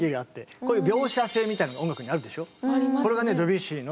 こういう描写性みたいのが音楽にあるでしょう。